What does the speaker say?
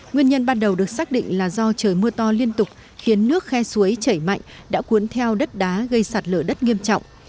nguyên nhân ban đầu được xác định là do trời mưa to liên tục khiến nước khe suối chảy mạnh đã cuốn theo đất đá gây sạt lở đất nghiêm trọng